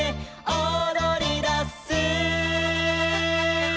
「おどりだす」